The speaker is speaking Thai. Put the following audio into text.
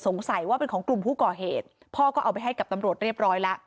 สงสัยว่าเป็นของกลุ่มผู้ก่อเหตุพ่อก็เอาไปให้กับตำรวจเรียบร้อยแล้ว